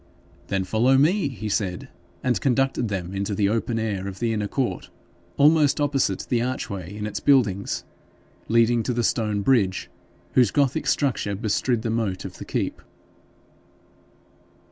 'Then follow me,' he said, and conducted them into the open air of the inner court, almost opposite the archway in its buildings leading to the stone bridge, whose gothic structure bestrid the moat of the keep.